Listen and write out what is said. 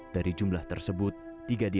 dari jumlah tersebut tiga di antaranya meninggal dunia